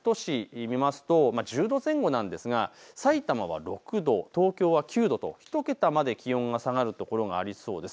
各都市、見ますと１０度前後なんですが、埼玉は６度、東京は９度と１桁まで気温が下がる所がありそうです。